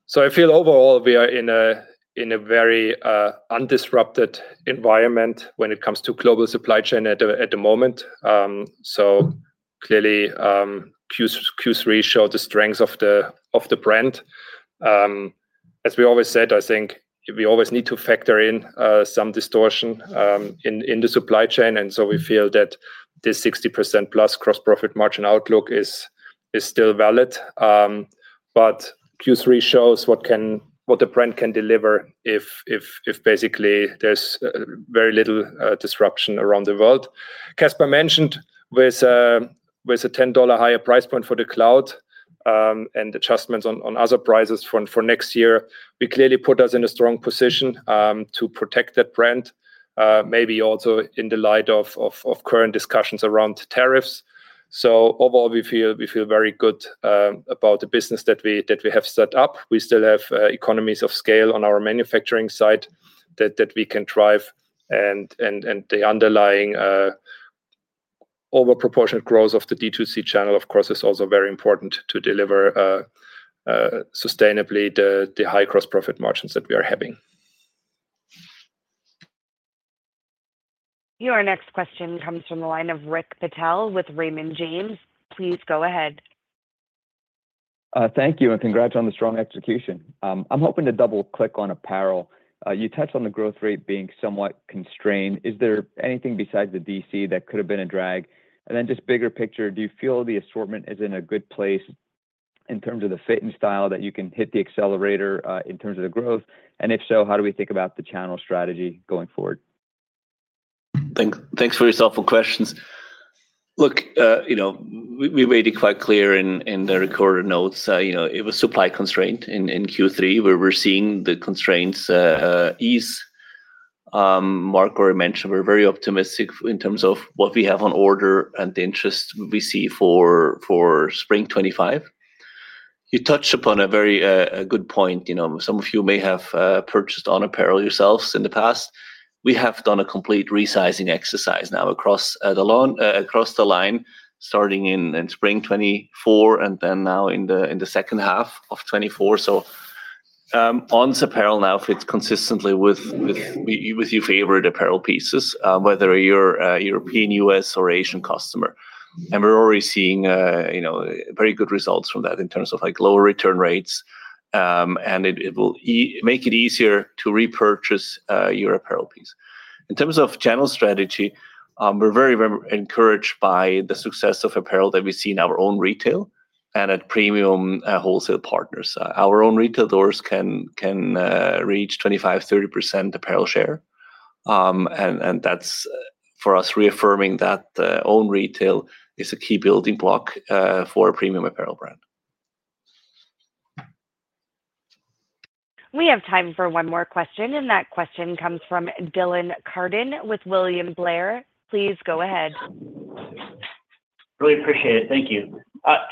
So I feel overall we are in a very undisrupted environment when it comes to global supply chain at the moment. So clearly, Q3 showed the strength of the brand. As we always said, I think we always need to factor in some distortion in the supply chain. And so we feel that this 60% plus gross-profit margin outlook is still valid. But Q3 shows what the brand can deliver if basically there's very little disruption around the world. Caspar mentioned with a $10 higher price point for the Cloud and adjustments on other prices for next year, we clearly put us in a strong position to protect that brand, maybe also in the light of current discussions around tariffs. So overall, we feel very good about the business that we have set up. We still have economies of scale on our manufacturing side that we can drive. And the underlying disproportionate growth of the D2C channel, of course, is also very important to deliver sustainably the high gross-profit margins that we are having. Your next question comes from the line of Rick Patel with Raymond James. Please go ahead. Thank you. And congrats on the strong execution. I'm hoping to double-click on apparel. You touched on the growth rate being somewhat constrained. Is there anything besides the D2C that could have been a drag? And then just bigger picture, do you feel the assortment is in a good place in terms of the fit and style that you can hit the accelerator in terms of the growth? If so, how do we think about the channel strategy going forward? Thanks for your thoughtful questions. Look, we made it quite clear in the recorded notes. It was supply constraint in Q3 where we're seeing the constraints ease. Mark already mentioned, we're very optimistic in terms of what we have on order and the interest we see for spring 2025. You touched upon a very good point. Some of you may have purchased On apparel yourselves in the past. We have done a complete resizing exercise now across the line starting in spring 2024 and then now in the second half of 2024. So once apparel now fits consistently with your favorite apparel pieces, whether you're a European, U.S., or Asian customer. We're already seeing very good results from that in terms of lower return rates. It will make it easier to repurchase your apparel piece. In terms of channel strategy, we're very encouraged by the success of apparel that we see in our own retail and at premium wholesale partners. Our own retail doors can reach 25%-30% apparel share, and that's for us reaffirming that own retail is a key building block for a premium apparel brand. We have time for one more question, and that question comes from Dylan Carden with William Blair. Please go ahead. Really appreciate it. Thank you.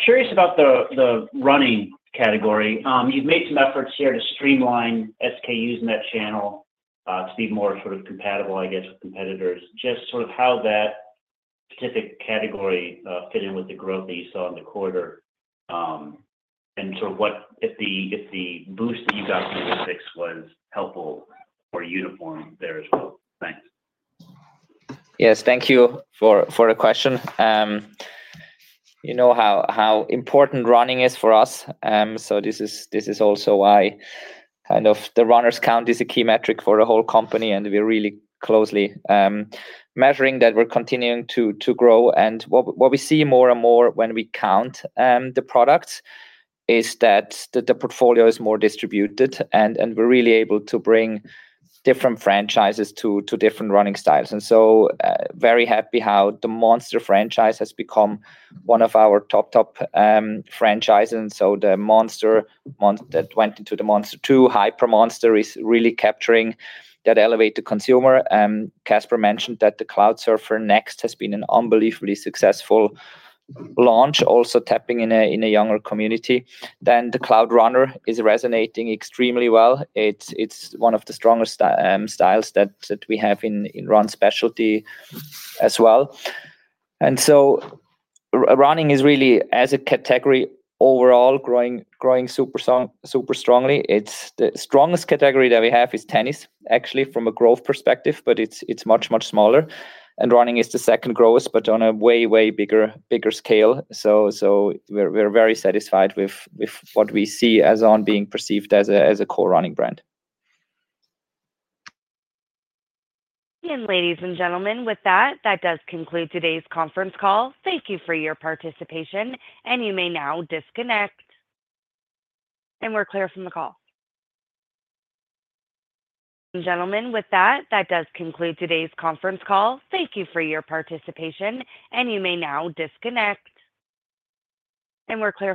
Curious about the running category. You've made some efforts here to streamline SKUs in that channel to be more sort of compatible, I guess, with competitors. Just sort of how that specific category fit in with the growth that you saw in the quarter and sort of what if the boost that you got from Olympics was helpful or uniform there as well. Thanks. Yes, thank you for the question. You know how important running is for us. So this is also why kind of the runner's count is a key metric for the whole company. And we're really closely measuring that we're continuing to grow. And what we see more and more when we count the products is that the portfolio is more distributed. And we're really able to bring different franchises to different running styles. And so very happy how the Monster franchise has become one of our top, top franchises. And so the Monster that went into the Monster II, Hyper Monster is really capturing that elevated consumer. Caspar mentioned that the Cloudsurfer Next has been an unbelievably successful launch, also tapping in a younger community. Then the Cloudrunner is resonating extremely well. It's one of the strongest styles that we have in run specialty as well. Running is really, as a category overall, growing super strongly. The strongest category that we have is tennis, actually, from a growth perspective, but it's much, much smaller. Running is the second strongest, but on a way, way bigger scale. We're very satisfied with what we see as On being perceived as a core running brand. Ladies and gentlemen, with that, that does conclude today's conference call. Thank you for your participation. You may now disconnect. We're clear from the call. Gentlemen, with that, that does conclude today's conference call. Thank you for your participation. You may now disconnect. We're clear from.